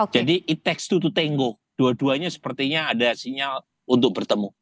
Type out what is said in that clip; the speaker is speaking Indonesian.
jadi it takes two to tango dua duanya sepertinya ada sinyal untuk bertemu